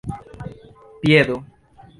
piedo